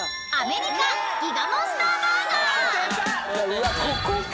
うわここか。